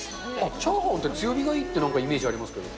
チャーハンって強火がいいってイメージありますけど。